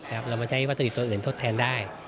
เรามาใช้วัตถุดิบตัวอื่นทดแทนได้